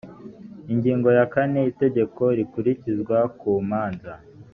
ingingo ya kane itegeko rikurikizwa ku manza